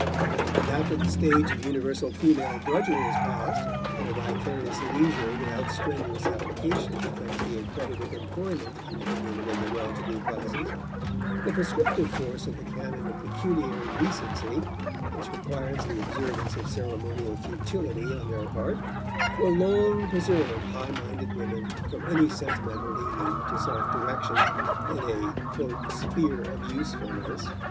And after the stage of universal female drudgery is passed, and a vicarious leisure without strenuous application becomes the accredited employment of the women of the well to do classes, the prescriptive force of the canon of pecuniary decency, which requires the observance of ceremonial futility on their part, will long preserve high minded women from any sentimental leaning to self direction and a "sphere of usefulness."